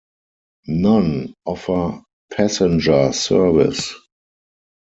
None offer passenger service.